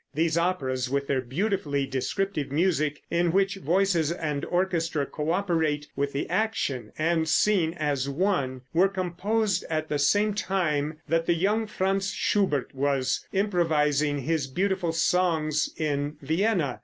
These operas, with their beautifully descriptive music, in which voices and orchestra co operate with the action and scene as one, were composed at the same time that the young Franz Schubert was improvising his beautiful songs in Vienna.